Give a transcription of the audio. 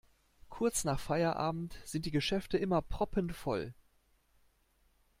Kurz nach Feierabend sind die Geschäfte immer proppenvoll.